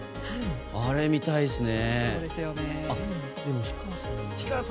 あれ、見たいですね。